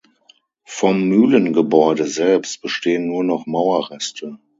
Vom Mühlengebäude selbst bestehen nur noch Mauerreste.